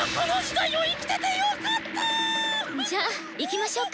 じゃあ行きましょうか。